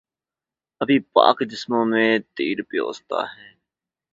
ابھی پاک جسموں میں تیر پیوستہ ہیں